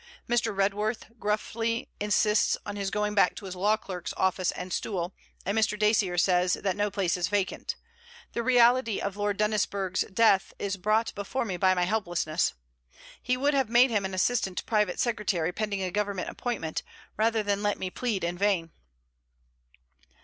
Mr. Redworth gruffly insists on his going back to his law clerk's office and stool, and Mr. Dacier says that no place is vacant. The reality of Lord Dannisburgh's death is brought before me by my helplessness. He would have made him an assistant private Secretary, pending a Government appointment, rather than let me plead in vain.'